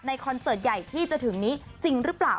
คอนเสิร์ตใหญ่ที่จะถึงนี้จริงหรือเปล่า